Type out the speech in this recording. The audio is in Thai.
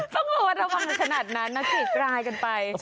ต้องระมัดระวังขนาดนั้นนะขีดกรายกันไป